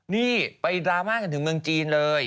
นี่ไปดราม่ากันถึงเมืองจีนเลย